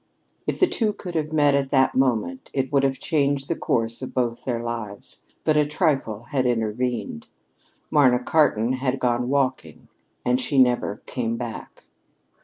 If the two could have met at that moment, it would have changed the course of both their lives. But a trifle had intervened. Marna Cartan had gone walking; and she never came back.